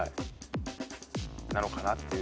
なのかなっていう。